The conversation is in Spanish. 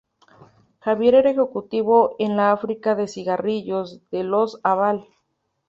Javier era ejecutivo en la fábrica de cigarrillos de los Abal.